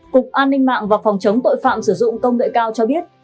cục an ninh mạng và phòng chống tội phạm sử dụng công nghệ cao cho biết